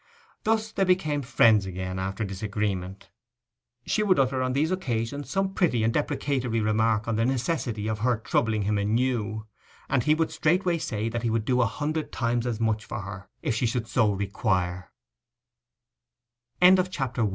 Thus they became friends again after a disagreement. She would utter on these occasions some pretty and deprecatory remark on the necessity of her troubling him anew; and he would straightway say that he would do a hundred times as much for her if she should so require.